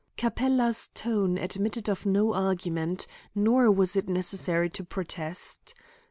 Capella's tone admitted of no argument, nor was it necessary to protest.